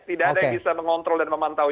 tidak ada yang bisa mengontrol dan memantau